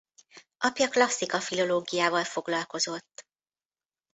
Apja klasszika-filológiával foglalkozott.